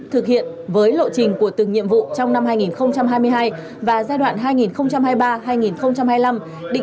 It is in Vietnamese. thực hiện với lộ trình của từng nhiệm vụ trong năm hai nghìn hai mươi hai và giai đoạn hai nghìn hai mươi ba hai nghìn hai mươi năm định